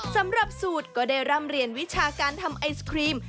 สำหรับสูตรก็ได้ร่ำเรียนวิชาการทำไอศครีม